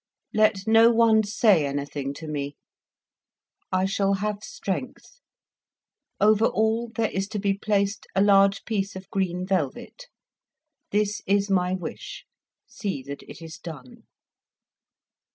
Let no one say anything to me. I shall have strength. Over all there is to be placed a large piece of green velvet. This is my wish; see that it is done."